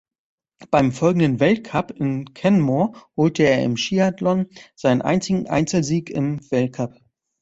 Beim folgenden Weltcup in Canmore holte er im Skiathlon seinen einzigen Einzelsieg im Weltcup.